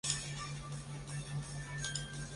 担任小说插画的是伊东杂音。